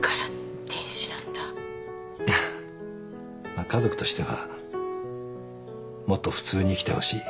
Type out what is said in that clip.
まあ家族としてはもっと普通に生きてほしい。